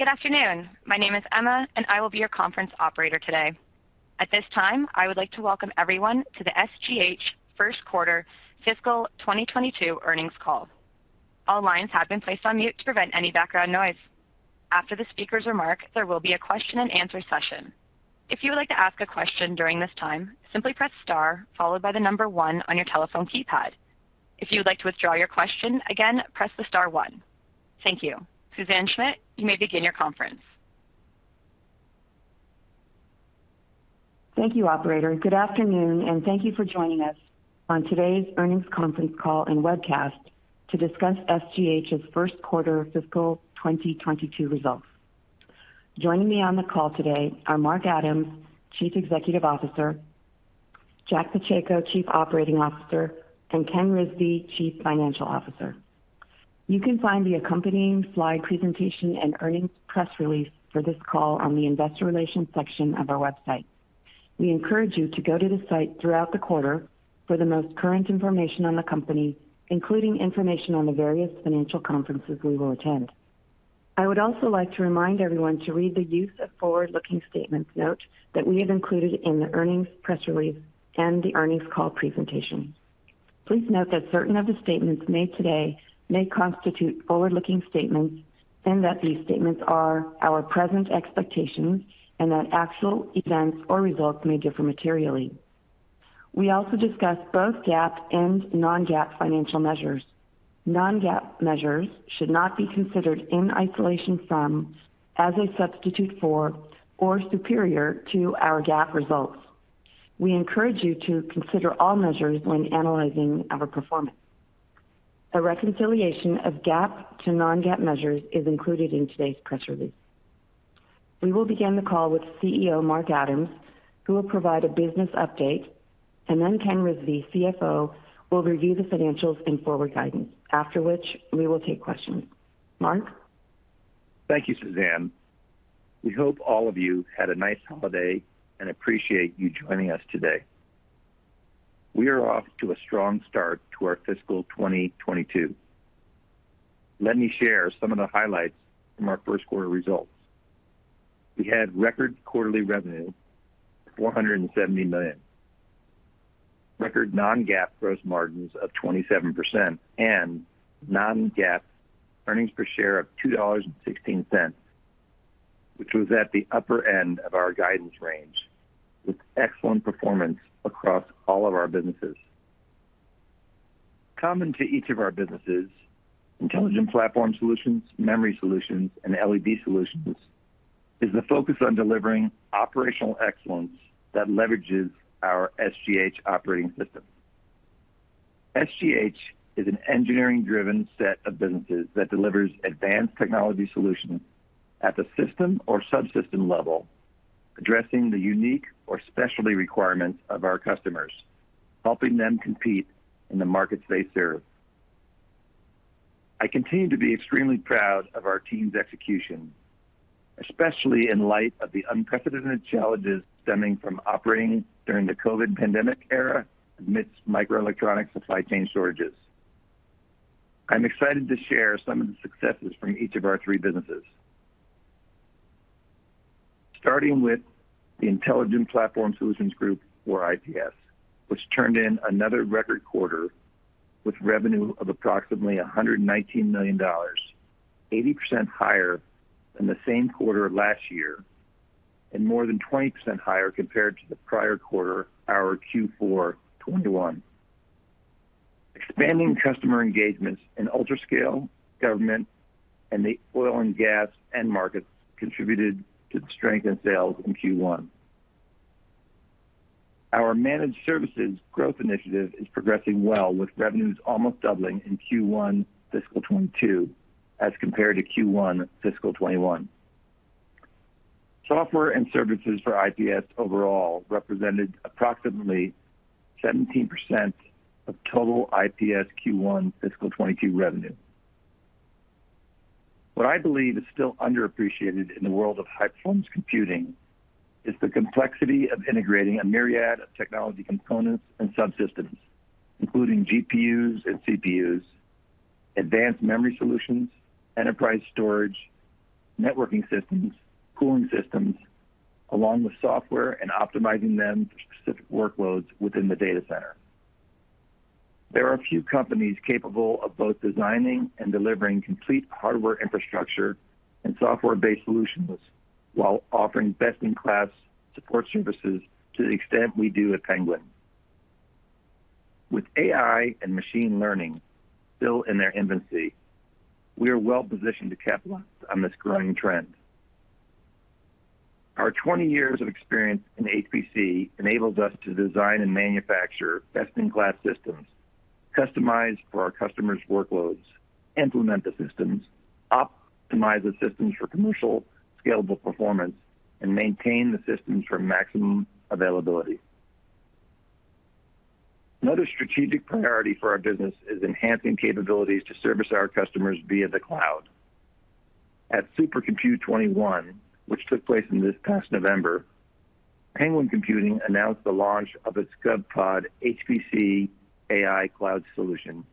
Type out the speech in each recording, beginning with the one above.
Good afternoon. My name is Emma, and I will be your conference operator today. At this time, I would like to welcome everyone to the SGH First Quarter Fiscal 2022 Earnings Call. All lines have been placed on mute to prevent any background noise. After the speaker's remark, there will be a question-and-answer session. If you would like to ask a question during this time, simply press star followed by the number one on your telephone keypad. If you would like to withdraw your question, again, press the star one. Thank you. Suzanne Schmidt, you may begin your conference. Thank you, operator. Good afternoon, and thank you for joining us on today's Earnings Conference Call and Webcast to discuss SGH's First Quarter Fiscal 2022 Results. Joining me on the call today are Mark Adams, Chief Executive Officer, Jack Pacheco, Chief Operating Officer, and Ken Rizvi, Chief Financial Officer. You can find the accompanying slide presentation and earnings press release for this call on the investor relations section of our website. We encourage you to go to the site throughout the quarter for the most current information on the company, including information on the various financial conferences we will attend. I would also like to remind everyone to read the use of forward-looking statements note that we have included in the earnings press release and the earnings call presentation. Please note that certain of the statements made today may constitute forward-looking statements and that these statements are our present expectations and that actual events or results may differ materially. We also discuss both GAAP and non-GAAP financial measures. Non-GAAP measures should not be considered in isolation from, as a substitute for, or superior to our GAAP results. We encourage you to consider all measures when analyzing our performance. A reconciliation of GAAP to non-GAAP measures is included in today's press release. We will begin the call with CEO Mark Adams, who will provide a business update, and then Ken Rizvi, CFO, will review the financials and forward guidance. After which, we will take questions. Mark? Thank you, Suzanne. We hope all of you had a nice holiday and appreciate you joining us today. We are off to a strong start to our fiscal 2022. Let me share some of the highlights from our first quarter results. We had record quarterly revenue, $470 million. Record non-GAAP gross margins of 27% and non-GAAP earnings per share of $2.16, which was at the upper end of our guidance range, with excellent performance across all of our businesses. Common to each of our businesses, Intelligent Platform Solutions, Memory Solutions, and LED Solutions, is the focus on delivering operational excellence that leverages our SGH operating system. SGH is an engineering-driven set of businesses that delivers advanced technology solutions at the system or subsystem level, addressing the unique or specialty requirements of our customers, helping them compete in the markets they serve. I continue to be extremely proud of our team's execution, especially in light of the unprecedented challenges stemming from operating during the COVID pandemic era amidst microelectronic supply chain shortages. I'm excited to share some of the successes from each of our three businesses. Starting with the Intelligent Platform Solutions Group or IPS, which turned in another record quarter with revenue of approximately $119 million, 80% higher than the same quarter last year, and more than 20% higher compared to the prior quarter, our Q4 2021. Expanding customer engagements in ultra scale, government, and the oil and gas end markets contributed to the strength in sales in Q1. Our managed services growth initiative is progressing well with revenues almost doubling in Q1 fiscal 2022 as compared to Q1 fiscal 2021. Software and services for IPS overall represented approximately 17% of total IPS Q1 fiscal 2022 revenue. What I believe is still underappreciated in the world of high-performance computing is the complexity of integrating a myriad of technology components and subsystems, including GPUs and CPUs, advanced memory solutions, enterprise storage, networking systems, cooling systems, along with software and optimizing them for specific workloads within the data center. There are a few companies capable of both designing and delivering complete hardware infrastructure and software-based solutions while offering best-in-class support services to the extent we do at Penguin. With AI and machine learning still in their infancy, we are well-positioned to capitalize on this growing trend. Our 20 years of experience in HPC enables us to design and manufacture best-in-class systems customized for our customers' workloads, implement the systems, optimize the systems for commercial scalable performance, and maintain the systems for maximum availability. Another strategic priority for our business is enhancing capabilities to service our customers via the cloud. At Supercomputing 2021, which took place in this past November, Penguin Computing announced the launch of its GovPOD HPC AI cloud solution,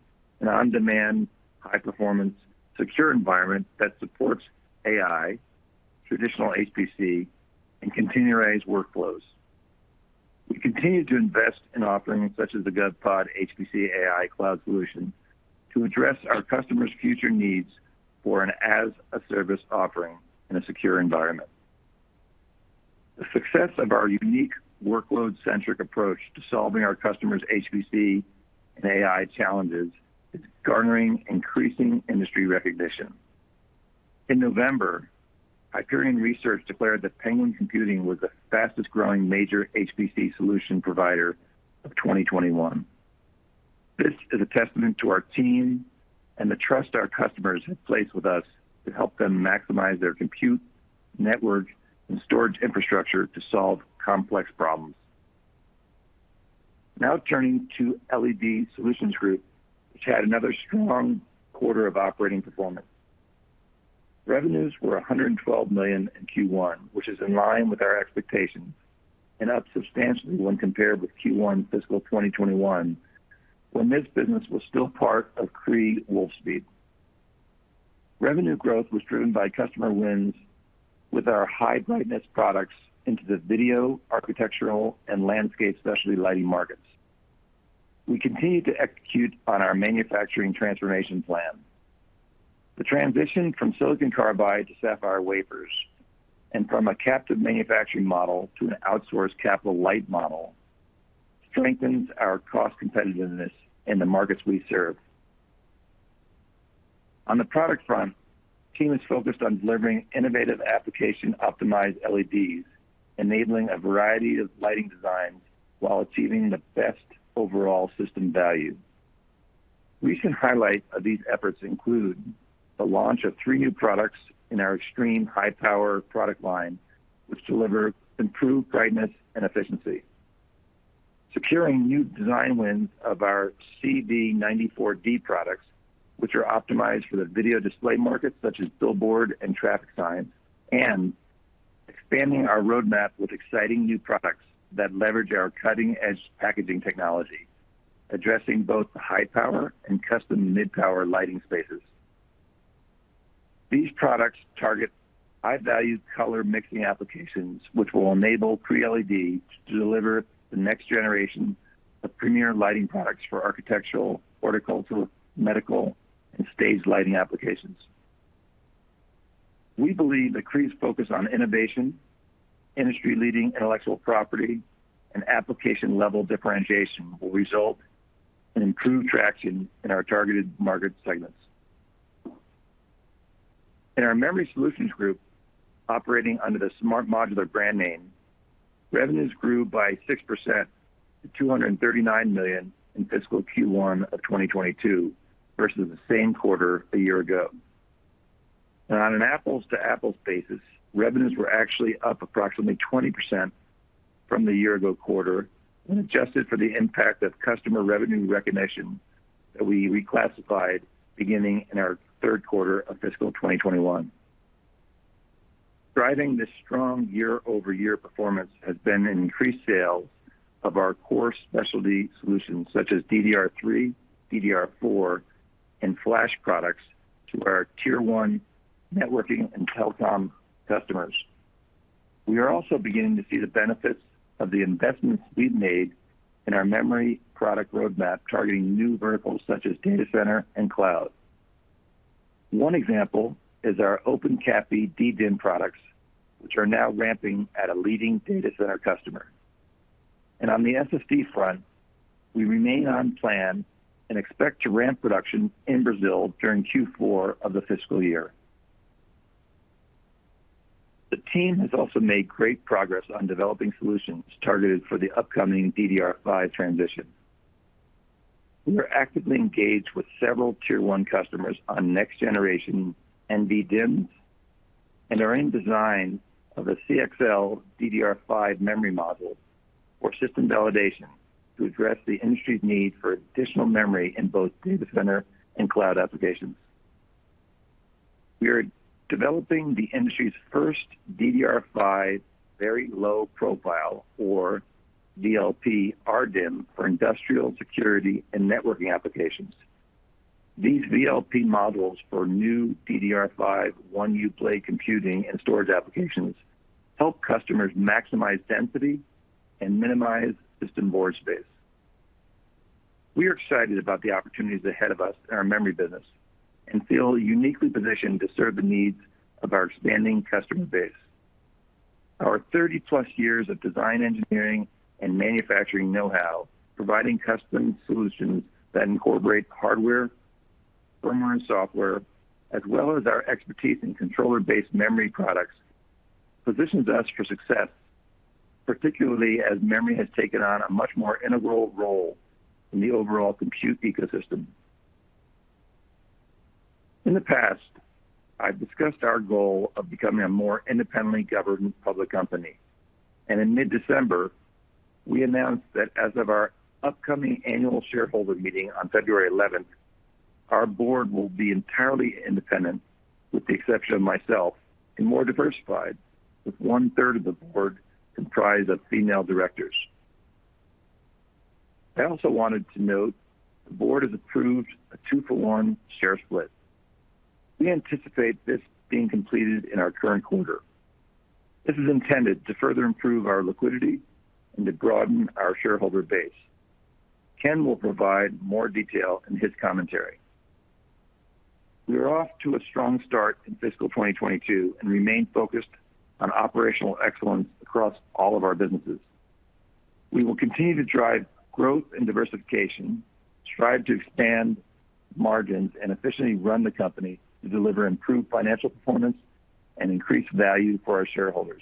an on-demand high-performance secure environment that supports AI, traditional HPC, and continuous workflows. We continue to invest in offerings such as the GovPOD HPC AI cloud solution to address our customers' future needs for an as-a-service offering in a secure environment. The success of our unique workload-centric approach to solving our customers' HPC and AI challenges is garnering increasing industry recognition. In November, Hyperion Research declared that Penguin Computing was the fastest growing major HPC solution provider of 2021. This is a testament to our team and the trust our customers have placed with us to help them maximize their compute, network, and storage infrastructure to solve complex problems. Now turning to LED Solutions Group, which had another strong quarter of operating performance. Revenues were $112 million in Q1, which is in line with our expectations and up substantially when compared with Q1 fiscal 2021, when this business was still part of Cree, Wolfspeed. Revenue growth was driven by customer wins with our high brightness products into the video, architectural, and landscape specialty lighting markets. We continue to execute on our manufacturing transformation plan. The transition from silicon carbide to sapphire wafers and from a captive manufacturing model to an outsourced capital-light model strengthens our cost competitiveness in the markets we serve. On the product front, the team is focused on delivering innovative application-optimized LEDs, enabling a variety of lighting designs while achieving the best overall system value. Recent highlights of these efforts include the launch of three new products in our extreme high-power product line, which deliver improved brightness and efficiency, securing new design wins of our C0940D products, which are optimized for the video display market such as billboards and traffic signs, and expanding our roadmap with exciting new products that leverage our cutting-edge packaging technology, addressing both the high-power and custom mid-power lighting spaces. These products target high value color mixing applications, which will enable Cree LED to deliver the next generation of premier lighting products for architectural, horticultural, medical, and stage lighting applications. We believe that Cree's focus on innovation, industry-leading intellectual property, and application level differentiation will result in improved traction in our targeted market segments. In our Memory Solutions Group, operating under the SMART Modular brand name, revenues grew by 6% to $239 million in fiscal Q1 of 2022 versus the same quarter a year ago. On an apples to apples basis, revenues were actually up approximately 20% from the year ago quarter when adjusted for the impact of customer revenue recognition that we reclassified beginning in our third quarter of fiscal 2021. Driving this strong year-over-year performance has been increased sales of our core specialty solutions such as DDR3, DDR4, and flash products to our tier one networking and telecom customers. We are also beginning to see the benefits of the investments we've made in our memory product roadmap targeting new verticals such as data center and cloud. One example is our OpenCAPI DDIMM products, which are now ramping at a leading data center customer. On the SSD front, we remain on plan and expect to ramp production in Brazil during Q4 of the fiscal year. The team has also made great progress on developing solutions targeted for the upcoming DDR5 transition. We are actively engaged with several tier one customers on next generation NVDIMMs and are in design of a CXL DDR5 memory module for system validation to address the industry's need for additional memory in both data center and cloud applications. We are developing the industry's first DDR5 very low profile or VLP RDIMM for industrial security and networking applications. These VLP modules for new DDR5 1U blade computing and storage applications help customers maximize density and minimize system board space. We are excited about the opportunities ahead of us in our memory business and feel uniquely positioned to serve the needs of our expanding customer base. Our 30+ years of design engineering and manufacturing know-how, providing custom solutions that incorporate hardware, firmware, and software, as well as our expertise in controller-based memory products, positions us for success, particularly as memory has taken on a much more integral role in the overall compute ecosystem. In the past, I've discussed our goal of becoming a more independently governed public company. In mid-December, we announced that as of our upcoming annual shareholder meeting on February eleventh. Our board will be entirely independent, with the exception of myself, and more diversified, with one-third of the board comprised of female directors. I also wanted to note the board has approved a two-for-one share split. We anticipate this being completed in our current quarter. This is intended to further improve our liquidity and to broaden our shareholder base. Ken will provide more detail in his commentary. We are off to a strong start in fiscal 2022, and remain focused on operational excellence across all of our businesses. We will continue to drive growth and diversification, strive to expand margins, and efficiently run the company to deliver improved financial performance and increase value for our shareholders.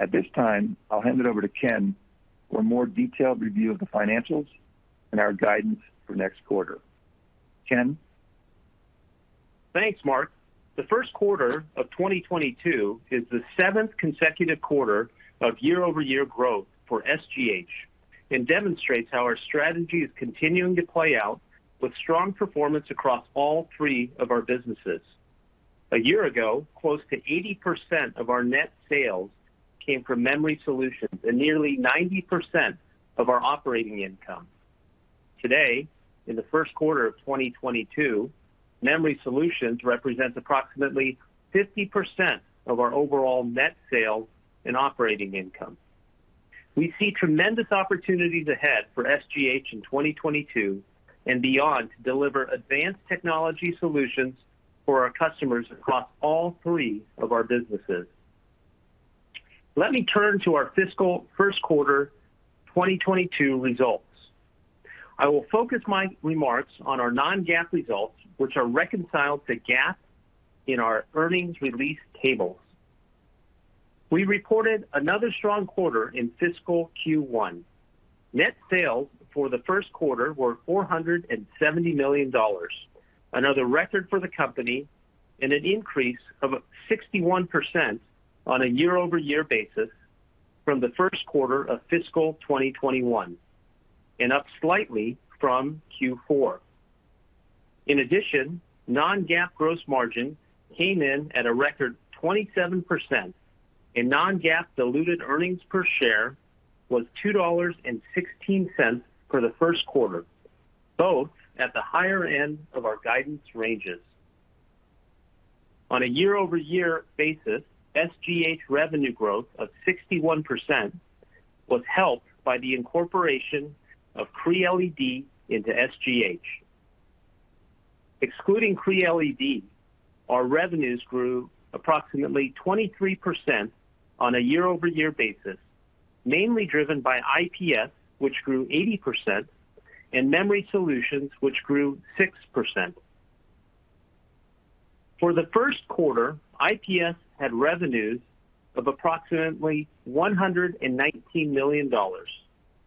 At this time, I'll hand it over to Ken for a more detailed review of the financials and our guidance for next quarter. Ken? Thanks, Mark. The first quarter of 2022 is the seventh consecutive quarter of year-over-year growth for SGH, and demonstrates how our strategy is continuing to play out with strong performance across all three of our businesses. A year ago, close to 80% of our net sales came from Memory Solutions, and nearly 90% of our operating income. Today, in the first quarter of 2022, Memory Solutions represents approximately 50% of our overall net sales and operating income. We see tremendous opportunities ahead for SGH in 2022 and beyond to deliver advanced technology solutions for our customers across all three of our businesses. Let me turn to our fiscal first quarter 2022 results. I will focus my remarks on our non-GAAP results, which are reconciled to GAAP in our earnings release tables. We reported another strong quarter in fiscal Q1. Net sales for the first quarter were $470 million, another record for the company, and an increase of 61% on a year-over-year basis from the first quarter of fiscal 2021, and up slightly from Q4. In addition, non-GAAP gross margin came in at a record 27%, and non-GAAP diluted earnings per share was $2.16 for the first quarter, both at the higher end of our guidance ranges. On a year-over-year basis, SGH revenue growth of 61% was helped by the incorporation of Cree LED into SGH. Excluding Cree LED, our revenues grew approximately 23% on a year-over-year basis, mainly driven by IPS, which grew 80%, and Memory Solutions, which grew 6%. For the first quarter, IPS had revenues of approximately $119 million,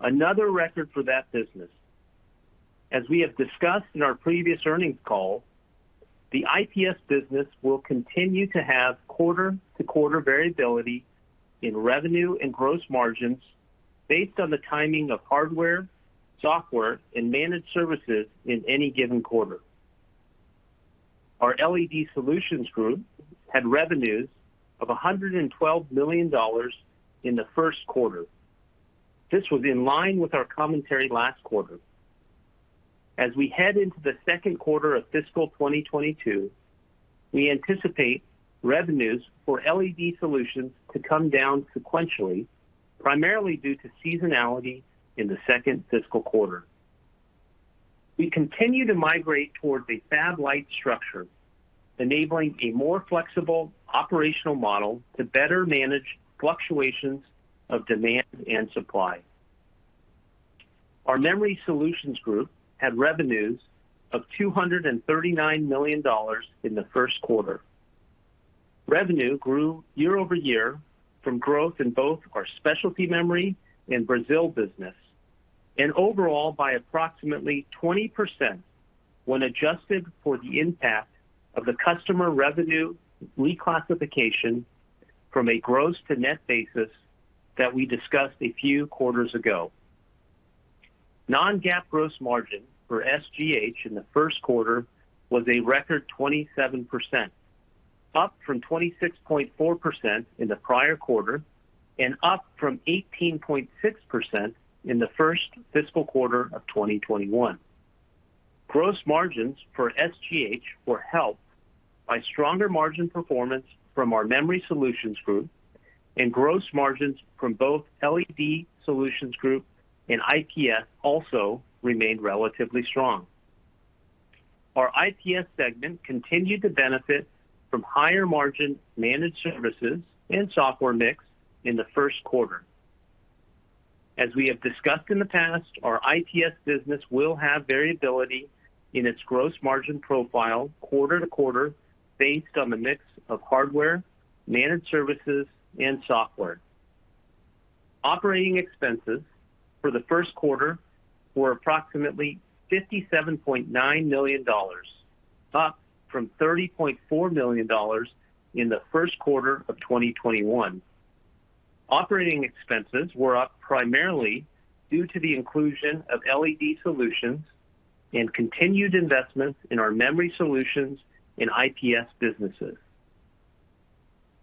another record for that business. As we have discussed in our previous earnings call, the IPS business will continue to have quarter-to-quarter variability in revenue and gross margins based on the timing of hardware, software, and managed services in any given quarter. Our LED Solutions Group had revenues of $112 million in the first quarter. This was in line with our commentary last quarter. As we head into the second quarter of fiscal 2022, we anticipate revenues for LED Solutions to come down sequentially, primarily due to seasonality in the second fiscal quarter. We continue to migrate toward a fab-lite structure, enabling a more flexible operational model to better manage fluctuations of demand and supply. Our Memory Solutions Group had revenues of $239 million in the first quarter. Revenue grew year over year from growth in both our specialty memory and Brazil business, and overall by approximately 20% when adjusted for the impact of the customer revenue reclassification from a gross to net basis that we discussed a few quarters ago. Non-GAAP gross margin for SGH in the first quarter was a record 27%, up from 26.4% in the prior quarter and up from 18.6% in the first fiscal quarter of 2021. Gross margins for SGH were helped by stronger margin performance from our Memory Solutions Group, and gross margins from both LED Solutions Group and IPS also remained relatively strong. Our IPS segment continued to benefit from higher margin managed services and software mix in the first quarter. As we have discussed in the past, our IPS business will have variability in its gross margin profile quarter to quarter based on the mix of hardware, managed services, and software. Operating expenses for the first quarter were approximately $57.9 million, up from $30.4 million in the first quarter of 2021. Operating expenses were up primarily due to the inclusion of LED Solutions and continued investments in our Memory Solutions in IPS businesses.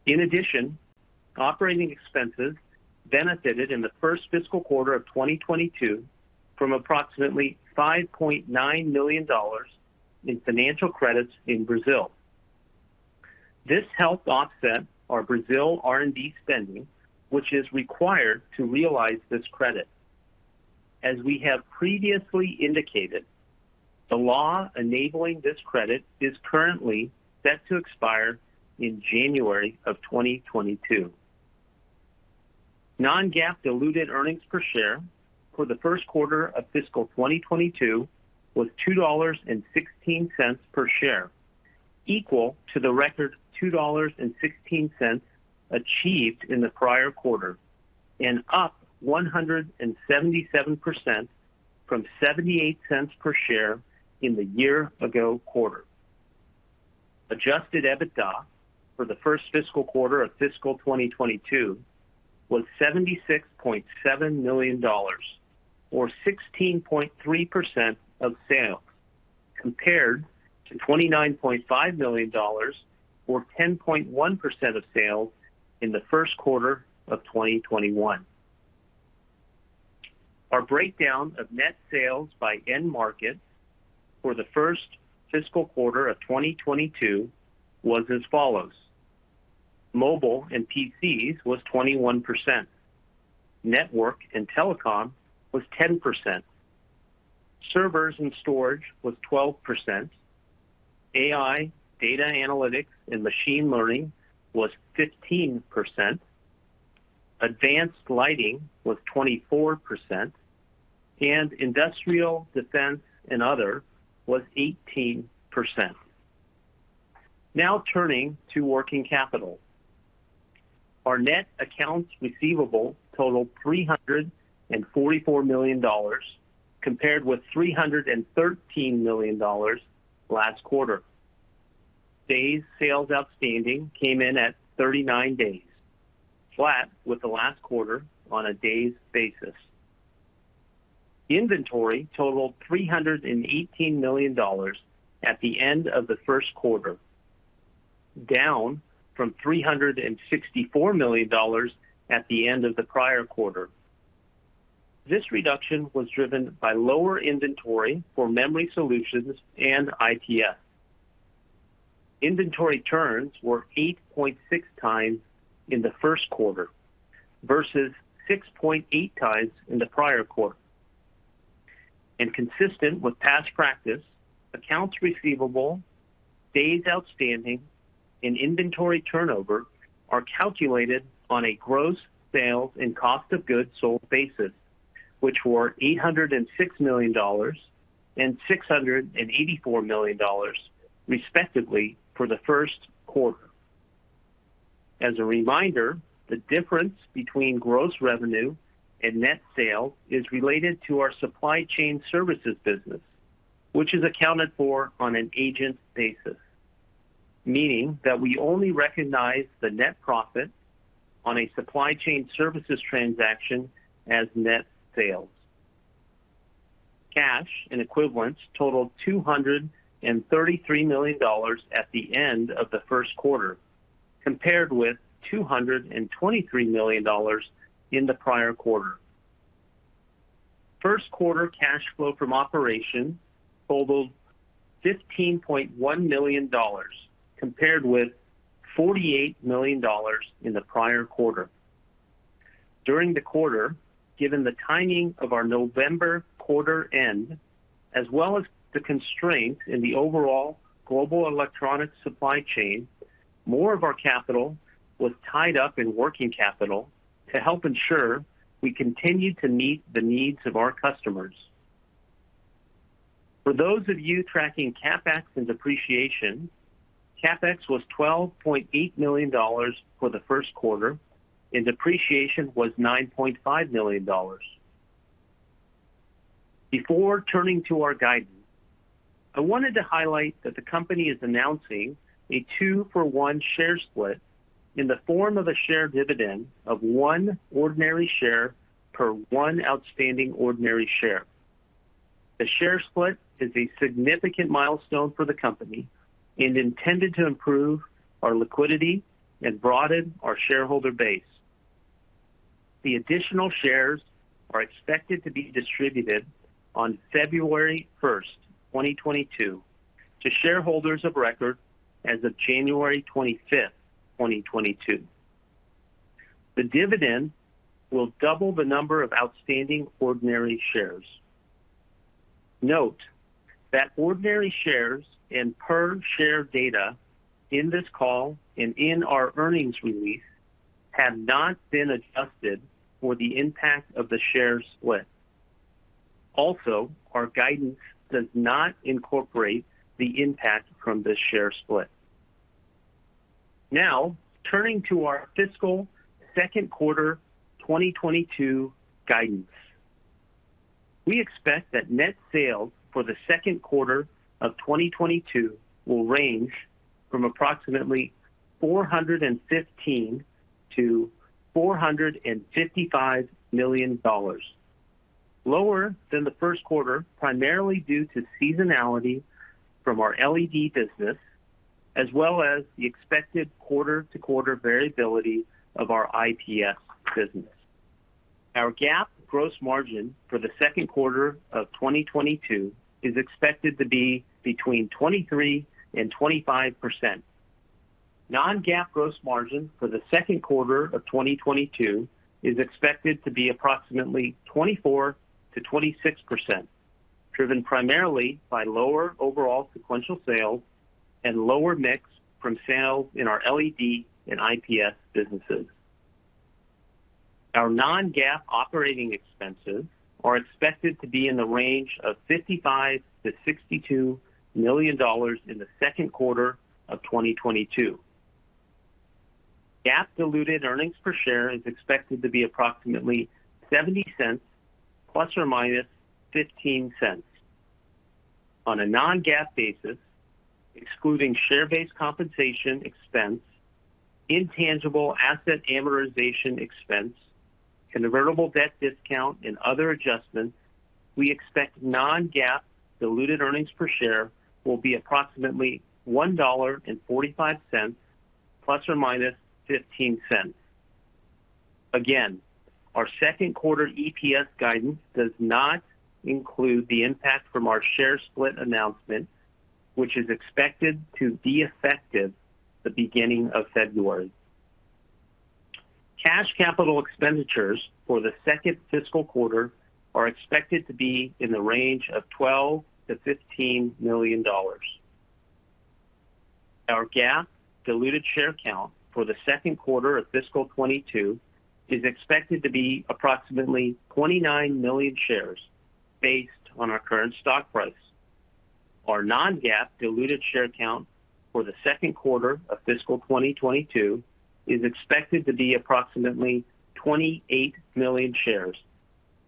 In addition, operating expenses benefited in the first fiscal quarter of 2022 from approximately $5.9 million in financial credits in Brazil. This helped offset our Brazil R&D spending, which is required to realize this credit. As we have previously indicated, the law enabling this credit is currently set to expire in January 2022. Non-GAAP diluted earnings per share for the first quarter of fiscal 2022 was $2.16 per share, equal to the record $2.16 achieved in the prior quarter, and up 177% from $0.78 per share in the year ago quarter. Adjusted EBITDA for the first fiscal quarter of fiscal 2022 was $76.7 million or 16.3% of sales, compared to $29.5 million or 10.1% of sales in the first quarter of 2021. Our breakdown of net sales by end market for the first fiscal quarter of 2022 was as follows. Mobile and PCs was 21%. Network and telecom was 10%. Servers and storage was 12%. AI, data analytics, and machine learning was 15%. Advanced lighting was 24%. Industrial, defense, and other was 18%. Now turning to working capital. Our net accounts receivable totaled $344 million, compared with $313 million last quarter. Days sales outstanding came in at 39 days, flat with the last quarter on a days basis. Inventory totaled $318 million at the end of the first quarter, down from $364 million at the end of the prior quarter. This reduction was driven by lower inventory for Memory Solutions and IPS. Inventory turns were eight point six times in the first quarter versus six point eight times in the prior quarter. Consistent with past practice, accounts receivable, days outstanding, and inventory turnover are calculated on a gross sales and cost of goods sold basis, which were $806 million and $684 million, respectively, for the first quarter. As a reminder, the difference between gross revenue and net sales is related to our supply chain services business, which is accounted for on an agent basis, meaning that we only recognize the net profit on a supply chain services transaction as net sales. Cash and equivalents totaled $233 million at the end of the first quarter, compared with $223 million in the prior quarter. First quarter cash flow from operation totaled $15.1 million, compared with $48 million in the prior quarter. During the quarter, given the timing of our November quarter end, as well as the constraint in the overall global electronic supply chain, more of our capital was tied up in working capital to help ensure we continued to meet the needs of our customers. For those of you tracking CapEx and depreciation, CapEx was $12.8 million for the first quarter, and depreciation was $9.5 million. Before turning to our guidance, I wanted to highlight that the company is announcing a two-for-one share split in the form of a share dividend of one ordinary share per one outstanding ordinary share. The share split is a significant milestone for the company and intended to improve our liquidity and broaden our shareholder base. The additional shares are expected to be distributed on February 1st, 2022 to shareholders of record as of January 25th, 2022. The dividend will double the number of outstanding ordinary shares. Note that ordinary shares and per share data in this call and in our earnings release have not been adjusted for the impact of the share split. Also, our guidance does not incorporate the impact from the share split. Now, turning to our fiscal second quarter 2022 guidance. We expect that net sales for the second quarter of 2022 will range from approximately $415 million-$455 million. Lower than the first quarter, primarily due to seasonality from our LED business, as well as the expected quarter-to-quarter variability of our IPS business. Our GAAP gross margin for the second quarter of 2022 is expected to be between 23%-25%. Non-GAAP gross margin for the second quarter of 2022 is expected to be approximately 24%-26%, driven primarily by lower overall sequential sales and lower mix from sales in our LED and IPS businesses. Our non-GAAP operating expenses are expected to be in the range of $55 million-$62 million in the second quarter of 2022. GAAP diluted earnings per share is expected to be approximately $0.70 ± $0.15. On a non-GAAP basis, excluding share-based compensation expense, intangible asset amortization expense, and convertible debt discount and other adjustments, we expect non-GAAP diluted earnings per share will be approximately $1.45 ± $0.15. Our second quarter EPS guidance does not include the impact from our share split announcement, which is expected to be effective at the beginning of February. Cash capital expenditures for the second fiscal quarter are expected to be in the range of $12 million-$15 million. Our GAAP diluted share count for the second quarter of fiscal 2022 is expected to be approximately 29 million shares based on our current stock price. Our non-GAAP diluted share count for the second quarter of fiscal 2022 is expected to be approximately 28 million shares,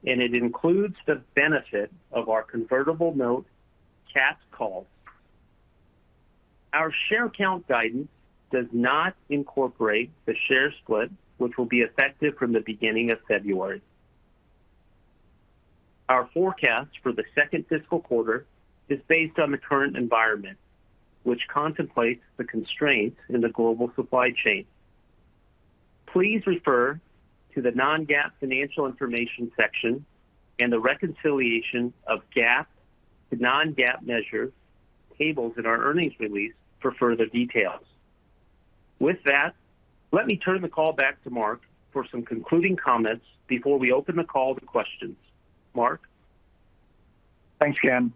and it includes the benefit of our convertible note cash call. Our share count guidance does not incorporate the share split, which will be effective from the beginning of February. Our forecast for the second fiscal quarter is based on the current environment, which contemplates the constraints in the global supply chain. Please refer to the non-GAAP financial information section and the reconciliation of GAAP to non-GAAP measure tables in our earnings release for further details. With that, let me turn the call back to Mark for some concluding comments before we open the call to questions. Mark? Thanks, Ken,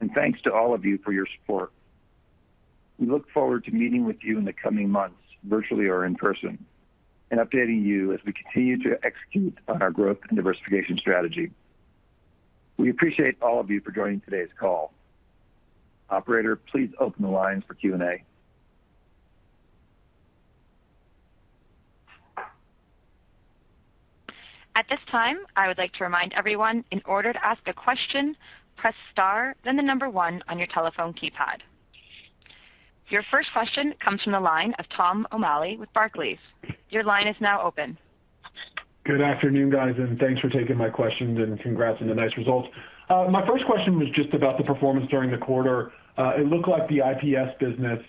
and thanks to all of you for your support. We look forward to meeting with you in the coming months, virtually or in person, and updating you as we continue to execute on our growth and diversification strategy. We appreciate all of you for joining today's call. Operator, please open the lines for Q&A. At this time, I would like to remind everyone, in order to ask a question, press star, then the number one on your telephone keypad. Your first question comes from the line of Tom O'Malley with Barclays. Your line is now open. Good afternoon, guys, and thanks for taking my questions and congrats on the nice results. My first question was just about the performance during the quarter. It looked like the IPS business,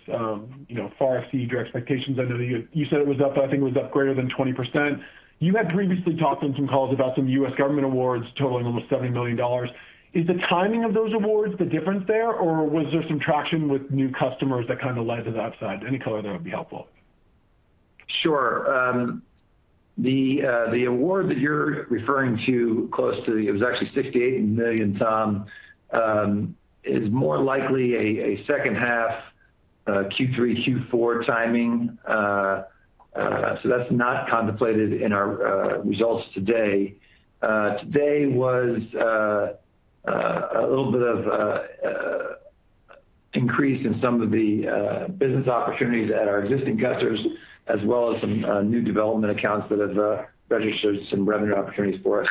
you know, far exceeded your expectations. I know that you said it was up, I think it was up greater than 20%. You had previously talked on some calls about some U.S. government awards totaling almost $70 million. Is the timing of those awards the difference there, or was there some traction with new customers that kind of led to the upside? Any color there would be helpful. Sure. The award that you're referring to. It was actually $68 million, Tom, is more likely a second half, Q3, Q4 timing. So that's not contemplated in our results today. Today was a little bit of increase in some of the business opportunities at our existing customers, as well as some new development accounts that have registered some revenue opportunities for us.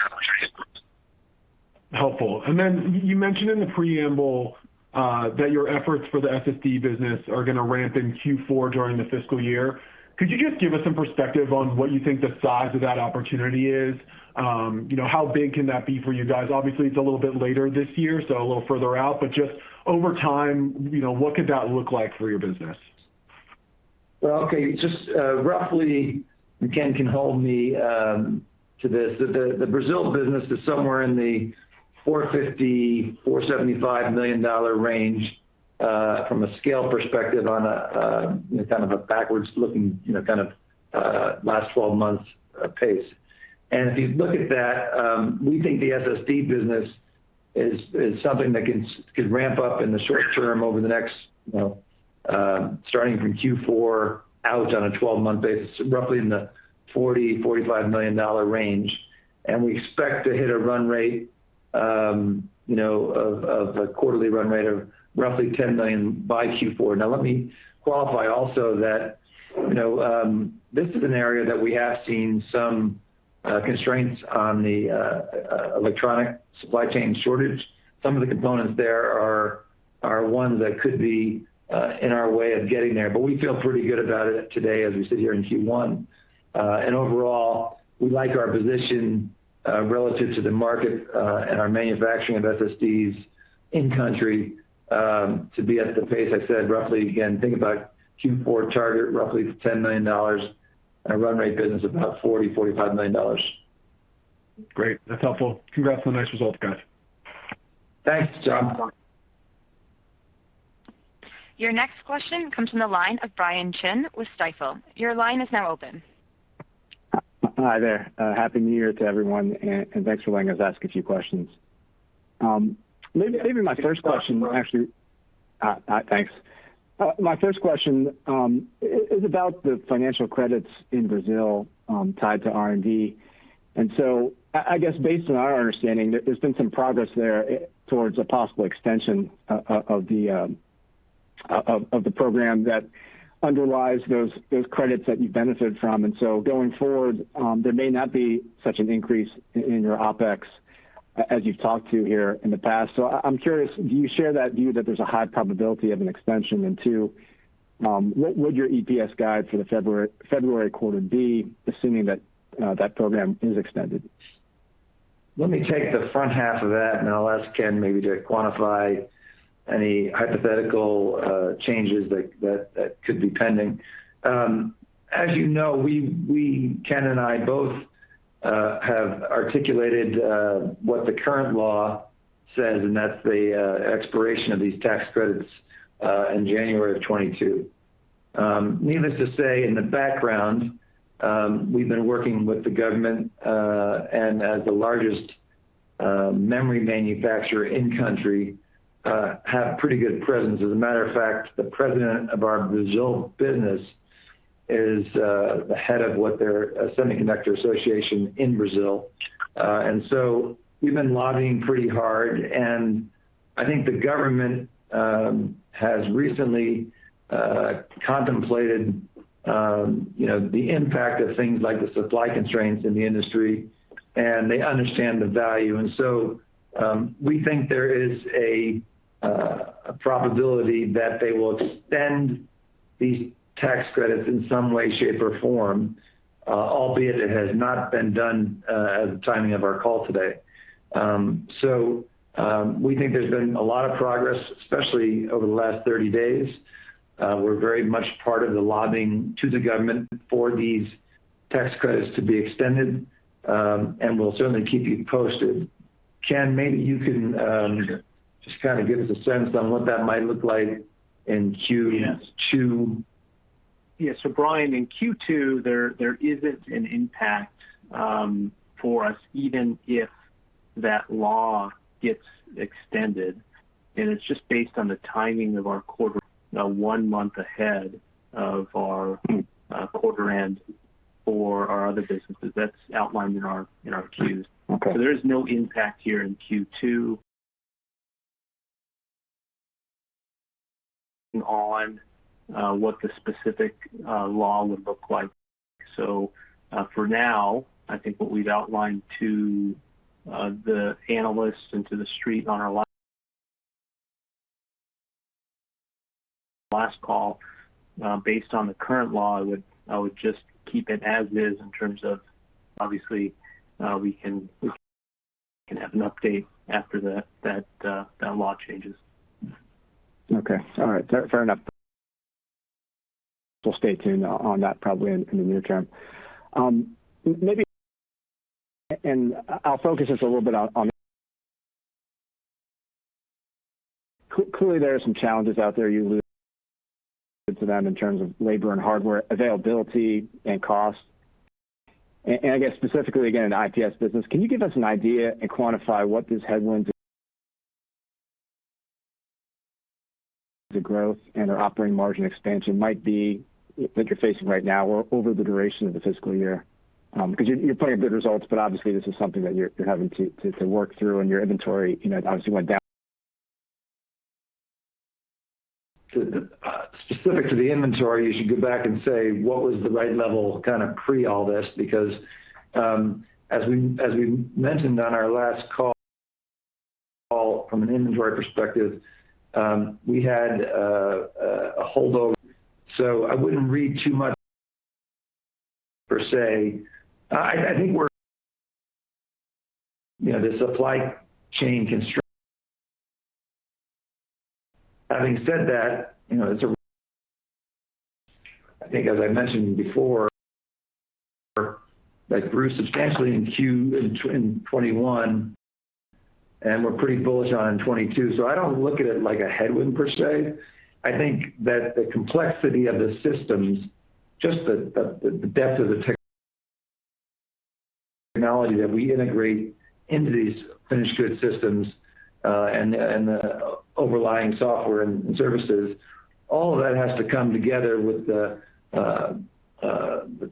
Helpful. You mentioned in the preamble that your efforts for the SSD business are gonna ramp in Q4 during the fiscal year. Could you just give us some perspective on what you think the size of that opportunity is? You know, how big can that be for you guys? Obviously, it's a little bit later this year, so a little further out. Just over time, you know, what could that look like for your business? Well, okay. Just, roughly, Ken can hold me to this. The Brazil business is somewhere in the $450 million-$475 million range from a scale perspective on a kind of a backward-looking, you know, kind of last 12 months pace. If you look at that, we think the SSD business is something that can ramp up in the short term over the next, you know, starting from Q4 out on a 12-month basis, roughly in the $40million-$45 million range. We expect to hit a run rate, you know, of a quarterly run rate of roughly $10 million by Q4. Now, let me qualify also that, you know, this is an area that we have seen some constraints on the electronic supply chain shortage. Some of the components there are ones that could be in our way of getting there. We feel pretty good about it today as we sit here in Q1. Overall, we like our position relative to the market and our manufacturing of SSDs in country to be at the pace I said, roughly again, think about Q4 target, roughly two to $10 million, and a run rate business about $40 million-$45 million. Great. That's helpful. Congrats on the nice results, guys. Thanks, Tom O'Malley. Your next question comes from the line of Brian Chin with Stifel. Your line is now open. Hi there. Happy New Year to everyone, and thanks for letting us ask a few questions. My first question is about the financial credits in Brazil tied to R&D. I guess based on our understanding, there's been some progress there towards a possible extension of the program that underlies those credits that you benefit from. Going forward, there may not be such an increase in your OpEx as you've talked to here in the past. I'm curious, do you share that view that there's a high probability of an extension? Two, what would your EPS guide for the February quarter be, assuming that program is extended? Let me take the front half of that, and I'll ask Ken maybe to quantify any hypothetical changes that could be pending. As you know, we, Ken and I both have articulated what the current law says, and that's the expiration of these tax credits in January of 2022. Needless to say, in the background, we've been working with the government, and as the largest memory manufacturer in the country have pretty good presence. As a matter of fact, the president of our Brazil business is the head of their Brazilian Semiconductor Industry Association. We've been lobbying pretty hard, and I think the government has recently contemplated, you know, the impact of things like the supply constraints in the industry, and they understand the value. We think there is a probability that they will extend these tax credits in some way, shape, or form, albeit it has not been done at the timing of our call today. We think there's been a lot of progress, especially over the last 30 days. We're very much part of the lobbying to the government for these tax credits to be extended, and we'll certainly keep you posted. Ken, maybe you can just kind of give us a sense on what that might look like in Q- Yes. Two. Yeah. Brian, in Q2, there isn't an impact for us, even if that law gets extended, and it's just based on the timing of our quarter, now one month ahead of our quarter end for our other businesses. That's outlined in our Qs. Okay. There is no impact here in Q2 on what the specific law would look like. For now, I think what we've outlined to the analysts and to the street on our last call, based on the current law, I would just keep it as is in terms of obviously, we can have an update after that law changes. Okay. All right. Fair enough. We'll stay tuned on that probably in the near term. I'll focus this a little bit on clearly there are some challenges out there you allude to them in terms of labor and hardware availability and cost. And I guess specifically again, in IPS business, can you give us an idea and quantify what these headwinds the growth and their operating margin expansion might be that you're facing right now over the duration of the fiscal year? 'Cause you're putting up good results, but obviously this is something that you're having to work through, and your inventory, you know, obviously went down. Specific to the inventory, you should go back and say, what was the right level kind of pre all this? Because as we mentioned on our last call, from an inventory perspective, we had a holdover. I wouldn't read too much per se. I think we're you know, the supply chain constraints. Having said that, you know, it's a. I think as I mentioned before, like grew substantially in 2021, and we're pretty bullish on 2022. I don't look at it like a headwind per se. I think that the complexity of the systems, just the depth of the technology that we integrate into these finished good systems, and the overlying software and services, all of that has to come together with the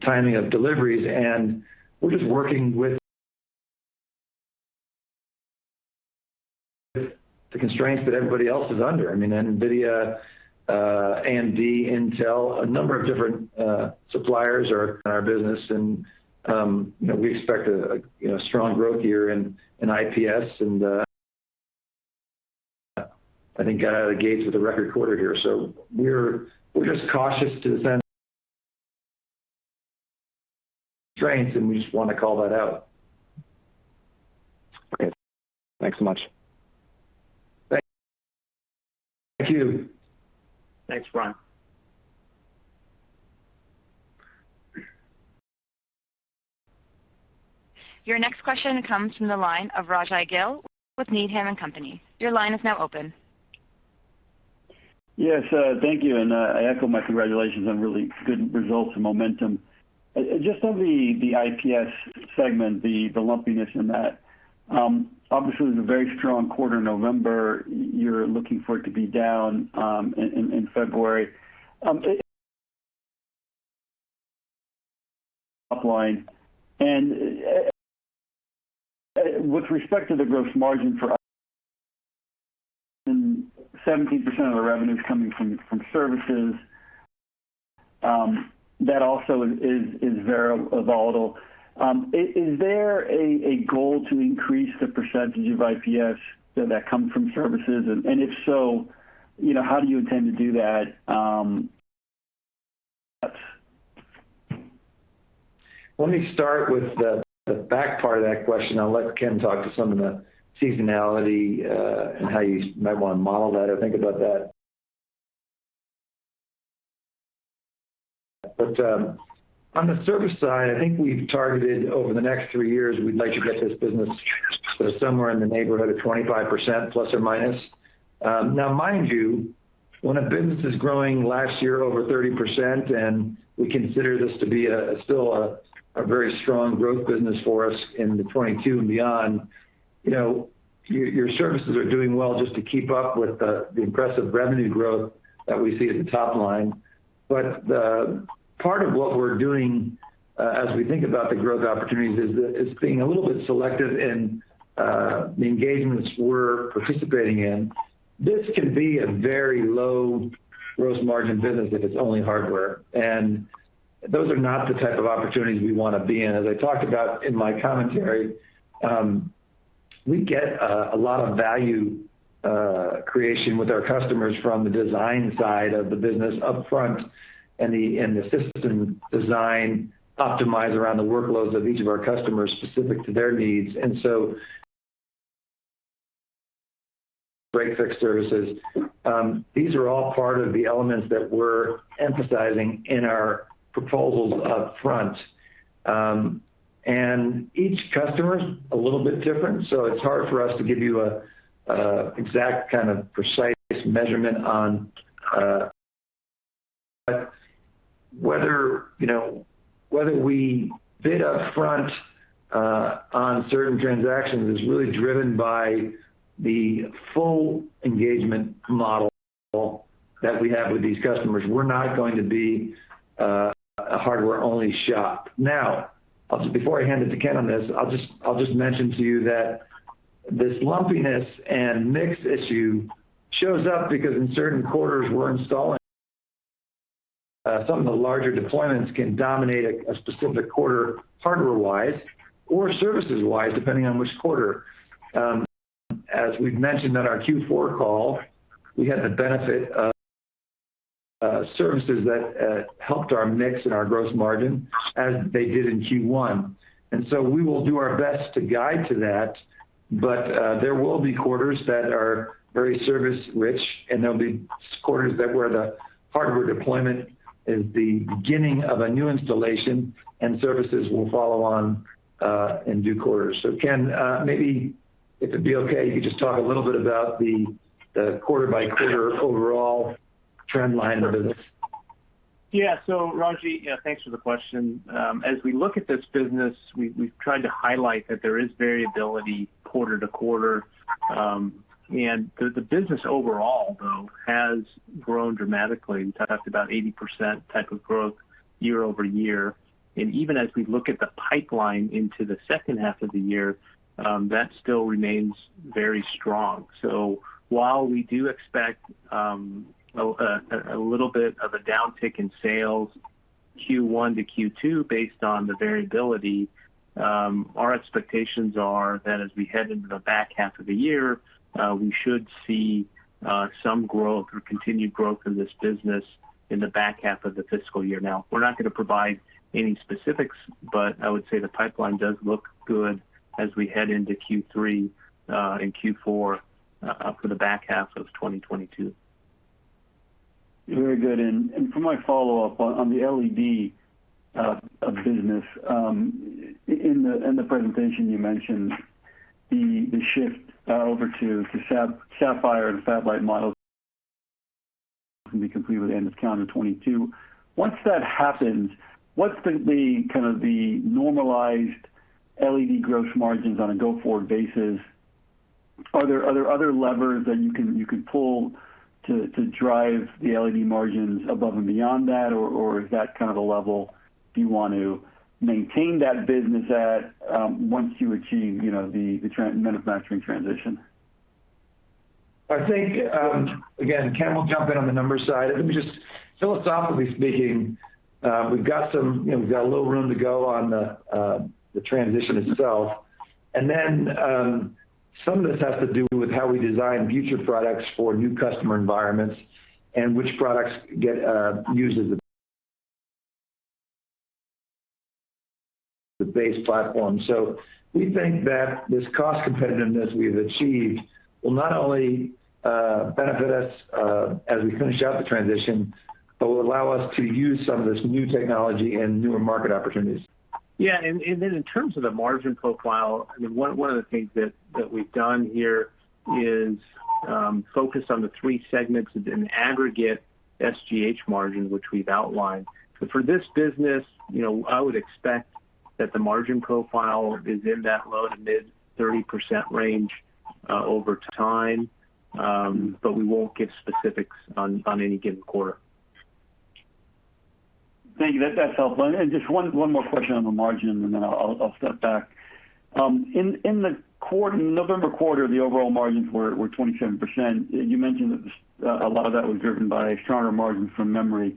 timing of deliveries. We're just working with the constraints that everybody else is under. I mean, NVIDIA, AMD, Intel, a number of different suppliers are in our business. You know, we expect a strong growth year in IPS and I think got out of the gates with a record quarter here. We're just cautious to the extent strengths, and we just wanna call that out. Okay. Thanks so much. Thank you. Thanks, Brian Chin. Your next question comes from the line of Raji Gill with Needham & Company. Your line is now open. Yes, thank you, and I echo my congratulations on really good results and momentum. Just on the IPS segment, the lumpiness in that, obviously it was a very strong quarter in November. You're looking for it to be down in February. Top line and with respect to the gross margin for 17% of the revenue's coming from services, that also is very volatile. Is there a goal to increase the percentage of IPS that comes from services? If so, you know, how do you intend to do that? Let me start with the back part of that question. I'll let Ken talk to some of the seasonality and how you might wanna model that or think about that. On the service side, I think we've targeted over the next three years, we'd like to get this business somewhere in the neighborhood of 25% ±. Now mind you, when a business is growing last year over 30%, and we consider this to be still a very strong growth business for us into 2022 and beyond, you know, your services are doing well just to keep up with the impressive revenue growth that we see at the top line. The part of what we're doing as we think about the growth opportunities is the... Is being a little bit selective in the engagements we're participating in. This can be a very low gross margin business if it's only hardware, and those are not the type of opportunities we wanna be in. As I talked about in my commentary, we get a lot of value creation with our customers from the design side of the business up front and the system design optimized around the workloads of each of our customers specific to their needs. Break-fix services. These are all part of the elements that we're emphasizing in our proposals up front. Each customer's a little bit different, so it's hard for us to give you an exact kind of precise measurement on whether, you know, whether we bid up front on certain transactions is really driven by the full engagement model that we have with these customers. We're not going to be a hardware-only shop. Now, before I hand it to Ken on this, I'll mention to you that this lumpiness and mix issue shows up because in certain quarters we're installing some of the larger deployments can dominate a specific quarter hardware-wise or services-wise, depending on which quarter. As we've mentioned on our Q4 call, we had the benefit of services that helped our mix and our gross margin as they did in Q1. We will do our best to guide to that, but there will be quarters that are very service-rich, and there'll be quarters where the hardware deployment is the beginning of a new installation and services will follow on in due quarters. Ken, maybe if it'd be okay, you just talk a little bit about the quarter-by-quarter overall trend line of this. Yeah. Raji, thanks for the question. As we look at this business, we've tried to highlight that there is variability quarter to quarter. The business overall, though, has grown dramatically. In fact, about 80% type of growth year-over-year. Even as we look at the pipeline into the second half of the year, that still remains very strong. While we do expect a little bit of a downtick in sales Q1 to Q2 based on the variability, our expectations are that as we head into the back half of the year, we should see some growth or continued growth in this business in the back half of the fiscal year. Now, we're not gonna provide any specifics, but I would say the pipeline does look good as we head into Q3 and Q4 for the back half of 2022. Very good. For my follow-up on the LED business. In the presentation you mentioned the shift over to sapphire and satellite models can be complete with the end of calendar 2022. Once that happens, what's the kind of the normalized LED gross margins on a go-forward basis? Are there other levers that you can pull to drive the LED margins above and beyond that? Is that kind of the level you want to maintain that business at once you achieve the manufacturing transition? I think, again, Ken will jump in on the numbers side. Let me just, philosophically speaking, we've got some, you know, a little room to go on the transition itself. Then, some of this has to do with how we design future products for new customer environments and which products get used as the base platform. We think that this cost competitiveness we've achieved will not only benefit us as we finish out the transition, but will allow us to use some of this new technology and newer market opportunities. Then in terms of the margin profile, I mean, one of the things that we've done here is focus on the three segments in aggregate SGH margin, which we've outlined. For this business, you know, I would expect that the margin profile is in that low- to mid-30% range over time. We won't give specifics on any given quarter. Thank you. That's helpful. Just one more question on the margin, and then I'll step back. In the November quarter, the overall margins were 27%. You mentioned that a lot of that was driven by stronger margins from memory.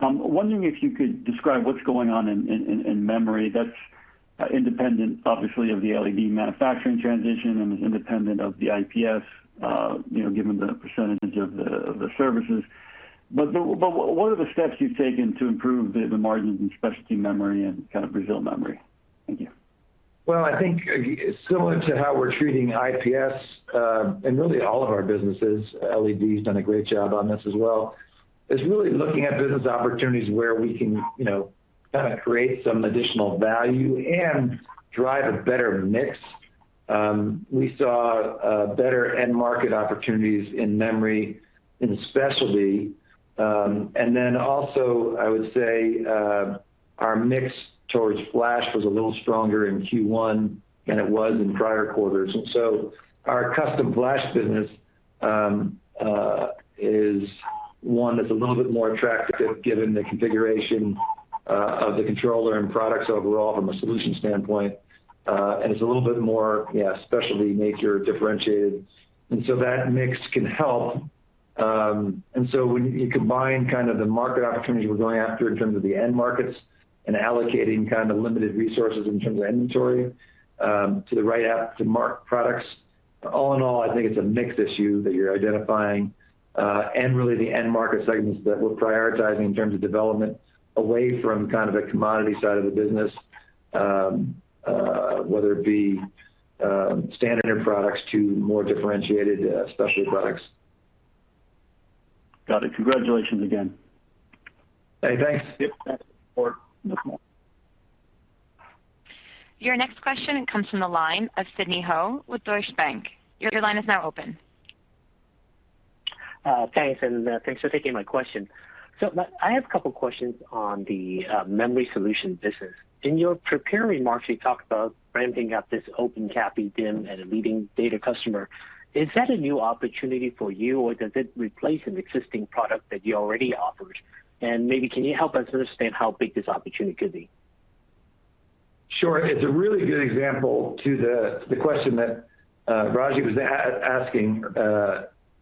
I'm wondering if you could describe what's going on in memory that's independent, obviously, of the LED manufacturing transition and is independent of the IPS, you know, given the percentage of the services. What are the steps you've taken to improve the margins in specialty memory and kind of DRAM memory? Thank you. Well, I think similar to how we're treating IPS, and really all of our businesses, LED's done a great job on this as well, is really looking at business opportunities where we can, you know, kind of create some additional value and drive a better mix. We saw better end market opportunities in memory and specialty. Then also I would say our mix towards flash was a little stronger in Q1 than it was in prior quarters. Our custom flash business is one that's a little bit more attractive given the configuration of the controller and products overall from a solution standpoint. It's a little bit more, yeah, specialty nature differentiated. That mix can help. When you combine kind of the market opportunities we're going after in terms of the end markets and allocating kind of limited resources in terms of inventory to the right app-to-market products. All in all, I think it's a mix issue that you're identifying, and really the end market segments that we're prioritizing in terms of development away from kind of the commodity side of the business, whether it be standard products to more differentiated specialty products. Got it. Congratulations again. Hey, thanks. Yep. Thanks for the call. Your next question comes from the line of Sidney Ho with Deutsche Bank. Your line is now open. Thanks, and thanks for taking my question. I have a couple questions on the Memory Solutions business. In your prepared remarks, you talked about ramping up this OpenCAPI DIMM at a leading data customer. Is that a new opportunity for you, or does it replace an existing product that you already offered? Maybe can you help us understand how big this opportunity could be? Sure. It's a really good example to the question that Raji was asking.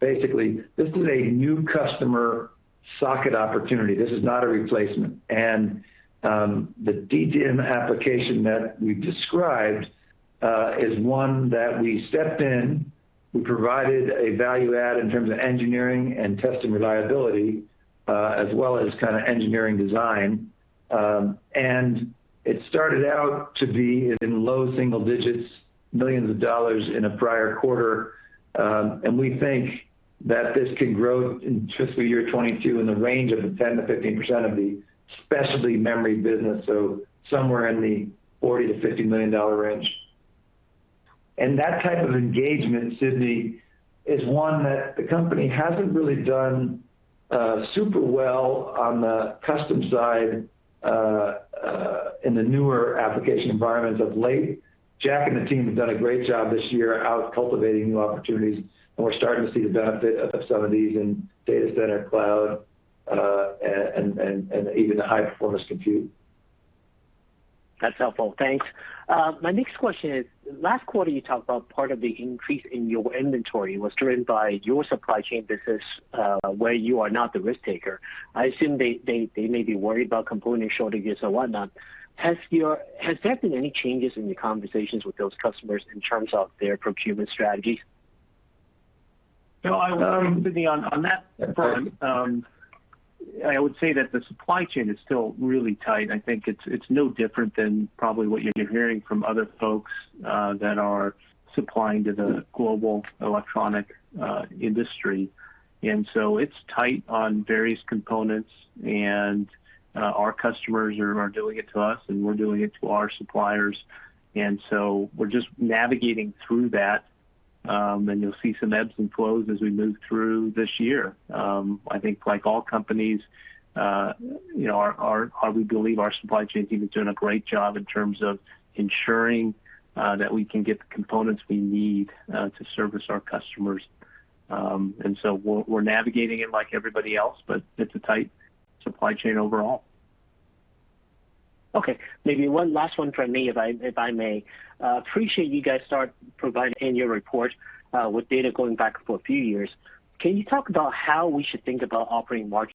Basically, this is a new customer socket opportunity. This is not a replacement. The DDIMM application that we described is one that we stepped in. We provided a value add in terms of engineering and testing reliability, as well as kind of engineering design. It started out to be in low single digits, millions of dollar in a prior quarter. We think that this could grow in FY 2022 in the range of 10%-15% of the specialty memory business, so somewhere in the $40 million-$50 million range. That type of engagement, Sidney, is one that the company hasn't really done super well on the custom side in the newer application environments of late. Jack and the team have done a great job this year out cultivating new opportunities, and we're starting to see the benefit of some of these in data center, cloud, and even the high-performance compute. That's helpful. Thanks. My next question is, last quarter you talked about part of the increase in your inventory was driven by your supply chain business, where you are not the risk taker. I assume they may be worried about component shortages or whatnot. Has there been any changes in your conversations with those customers in terms of their procurement strategy? No, Sidney, on that front, I would say that the supply chain is still really tight. I think it's no different than probably what you're hearing from other folks that are supplying to the global electronics industry. It's tight on various components, and our customers are doing it to us, and we're doing it to our suppliers. We're just navigating through that, and you'll see some ebbs and flows as we move through this year. I think like all companies, you know, we believe our supply chain team is doing a great job in terms of ensuring that we can get the components we need to service our customers. We're navigating it like everybody else, but it's a tight supply chain overall. Okay, maybe one last one from me, if I may. Appreciate you guys start providing in your report with data going back for a few years. Can you talk about how we should think about operating margin?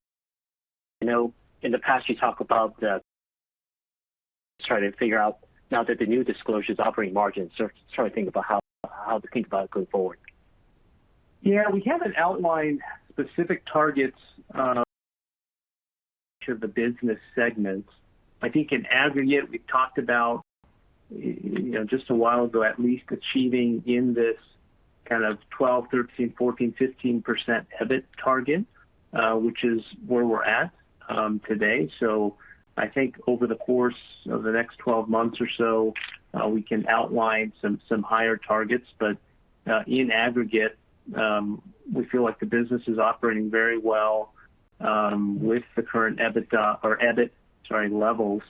I know in the past you talked about. Try to figure out now that the new disclosure is operating margins. Trying to think about how to think about it going forward. Yeah. We haven't outlined specific targets to the business segments. I think in aggregate, we talked about, you know, just a while ago, at least achieving in this kind of 12%-15% EBIT target, which is where we're at today. I think over the course of the next 12 months or so, we can outline some higher targets. In aggregate, we feel like the business is operating very well with the current EBITDA or EBIT, sorry, levels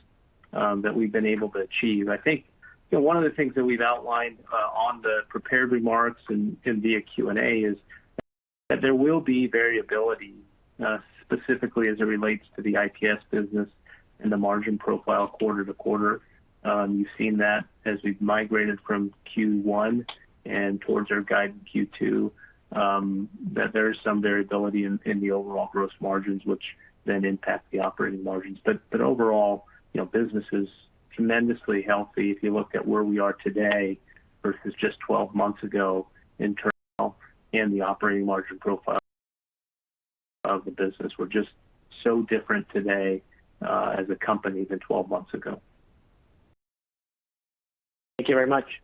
that we've been able to achieve. I think, you know, one of the things that we've outlined on the prepared remarks and via Q&A is that there will be variability, specifically as it relates to the IPS business and the margin profile quarter to quarter. You've seen that as we've migrated from Q1 and towards our guide Q2, that there is some variability in the overall gross margins, which then impact the operating margins. Overall, you know, business is tremendously healthy. If you look at where we are today versus just 12 months ago in terms of the operating margin profile of the business, we're just so different today, as a company than 12 months ago. Thank you very much.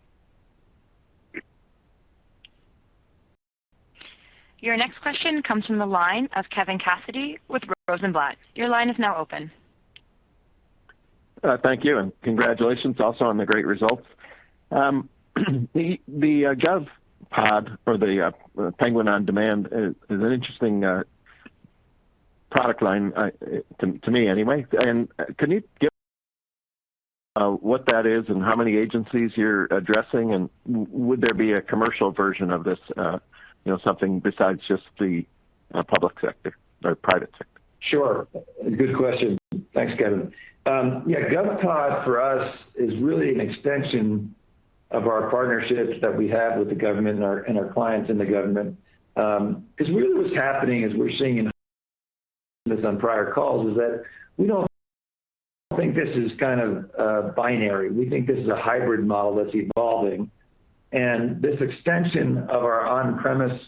Your next question comes from the line of Kevin Cassidy with Rosenblatt. Your line is now open. Thank you, and congratulations also on the great results. The GovPOD or the Penguin on Demand is an interesting product line to me anyway. Can you give what that is and how many agencies you're addressing, and would there be a commercial version of this, you know, something besides just the public sector or private sector? Sure. Good question. Thanks, Kevin. Yeah, GovPOD for us is really an extension of our partnerships that we have with the government and our clients in the government. Because really what's happening is we're seeing, as on prior calls, is that we don't think this is kind of binary. We think this is a hybrid model that's evolving. This extension of our on-premise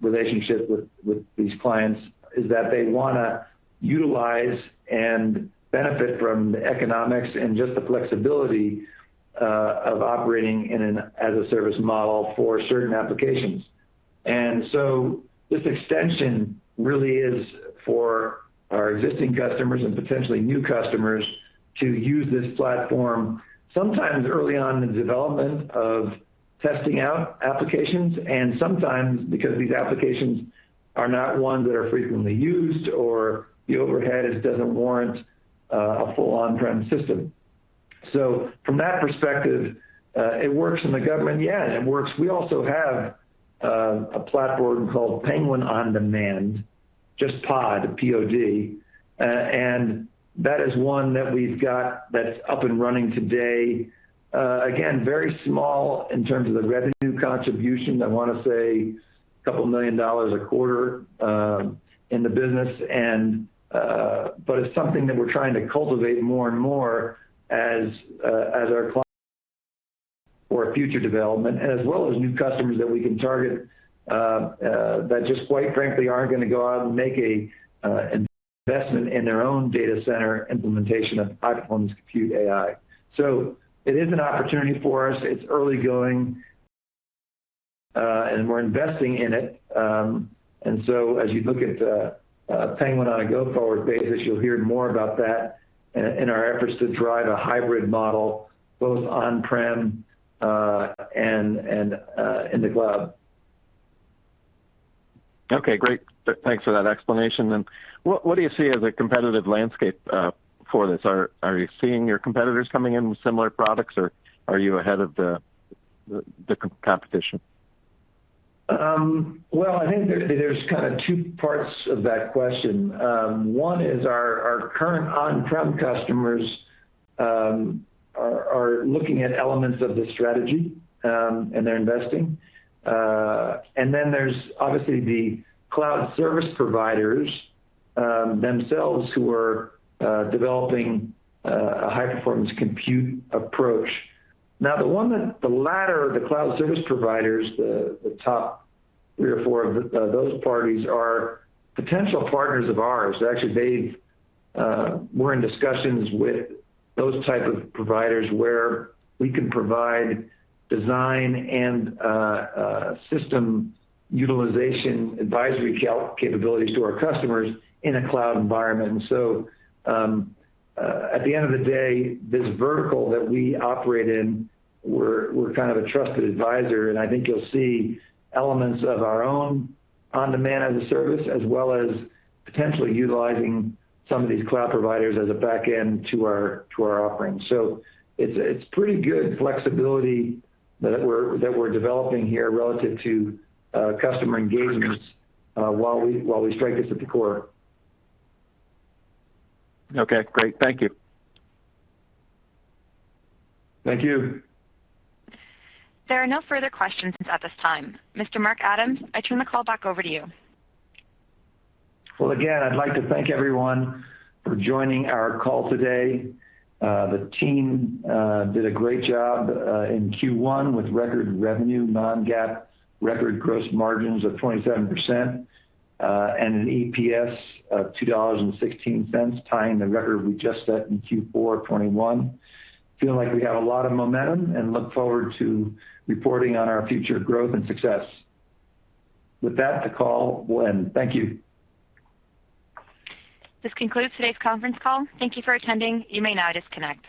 relationship with these clients is that they wanna utilize and benefit from the economics and just the flexibility of operating in an as a service model for certain applications. This extension really is for our existing customers and potentially new customers to use this platform sometimes early on in the development of testing out applications and sometimes because these applications are not ones that are frequently used or the overhead doesn't warrant a full on-prem system. From that perspective, it works in the government. We also have a platform called Penguin on Demand, just POD, P-O-D, and that is one that we've got that's up and running today. Again, very small in terms of the revenue contribution. I wanna say $2 million a quarter in the business. It's something that we're trying to cultivate more and more as our clients for future development and as well as new customers that we can target that just quite frankly aren't gonna go out and make a investment in their own data center implementation of high-performance compute AI. It is an opportunity for us. It's early going and we're investing in it. As you look at Penguin on a go-forward basis, you'll hear more about that in our efforts to drive a hybrid model both on-prem and in the cloud. Okay. Great. Thanks for that explanation. What do you see as a competitive landscape for this? Are you seeing your competitors coming in with similar products, or are you ahead of the competition? Well, I think there's kind of two parts of that question. One is our current on-prem customers are looking at elements of this strategy, and they're investing. There's obviously the cloud service providers themselves who are developing a high-performance compute approach. Now, the latter of the cloud service providers, the top three or four of those parties are potential partners of ours. Actually, we're in discussions with those type of providers where we can provide design and system utilization advisory capabilities to our customers in a cloud environment. At the end of the day, this vertical that we operate in, we're kind of a trusted advisor, and I think you'll see elements of our own on-demand as a service, as well as potentially utilizing some of these cloud providers as a back end to our offerings. It's pretty good flexibility that we're developing here relative to customer engagements while we strike this at the core. Okay, great. Thank you. Thank you. There are no further questions at this time. Mr. Mark Adams, I turn the call back over to you. Well, again, I'd like to thank everyone for joining our call today. The team did a great job in Q1 with record revenue, non-GAAP record gross margins of 27%, and an EPS of $2.16, tying the record we just set in Q4 of 2021. Feeling like we have a lot of momentum and look forward to reporting on our future growth and success. With that, the call will end. Thank you. This concludes today's conference call. Thank you for attending. You may now disconnect.